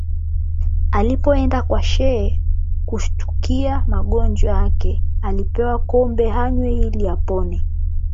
Alipoenda kwa Shehe kushtukia magonjwa ake alipewa kombe anywe ili apone